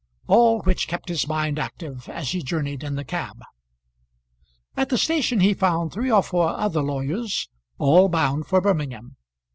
All which kept his mind active as he journeyed in the cab. At the station he found three or four other lawyers, all bound for Birmingham.